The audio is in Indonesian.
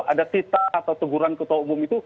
ada titah atau teguran ketua umum itu